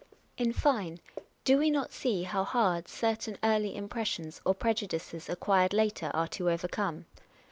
In fine, do we not see how hard certain early impres sions, or prejudices acquired later, are to overcome